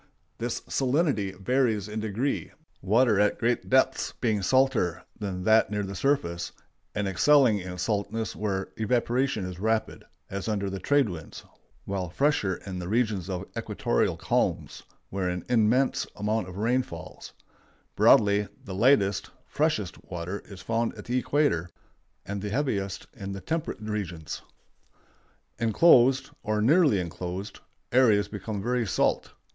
The salinity varies in degree, water at great depths being salter than that near the surface, and excelling in saltness where evaporation is rapid, as under the trade winds, while fresher in the regions of equatorial calms, where an immense amount of rain falls; broadly, the lightest (freshest) water is found at the equator, and the heaviest in the temperate regions. Inclosed, or nearly inclosed, areas become very salt.